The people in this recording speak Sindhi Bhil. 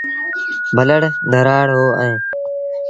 ڀلڙ ڌرآڙ اوٚ اهي۔